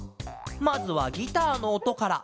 まずはギターのおとから。